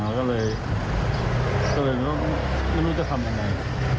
ก็เลยไม่รู้จะทำยังไง